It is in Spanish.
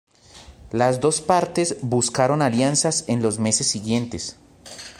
Las dos partes buscaron alianzas en los meses siguientes.